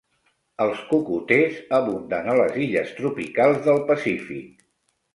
Els cocoters abunden a les illes tropicals del Pacífic.